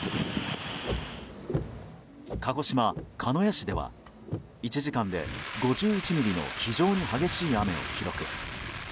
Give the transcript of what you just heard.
鹿児島・鹿屋市では１時間で５１ミリの非常に激しい雨を記録。